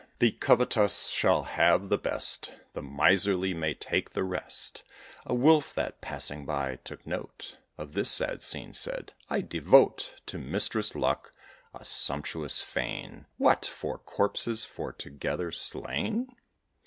The covetous shall have the best; The miserly may take the rest. A Wolf that, passing by, took note Of this sad scene, said, "I devote To Mistress Luck a sumptuous fane. What! corpses four together slain?